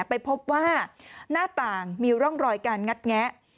ไปพบว่าหน้าต่างมีร่องรอยการงัดแงะ